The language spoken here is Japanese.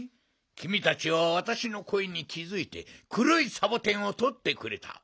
きみたちはわたしのこえにきづいてくろいサボテンをとってくれた。